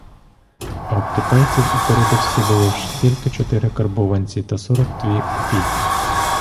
А в китайців у коробочці було ж тільки чотири карбованці та сорок дві копійки.